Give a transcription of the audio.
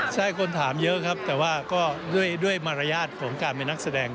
ใช่คนถามเยอะครับแต่ว่าก็ด้วยมารยาทของการเป็นนักแสดง